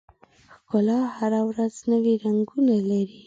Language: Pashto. ښکلا هره ورځ نوي رنګونه لري.